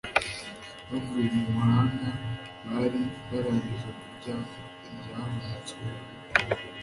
bavuye mu mahanga bari bararangije kurya ibyahunitswe